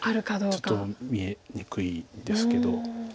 ちょっと見えにくいですけど。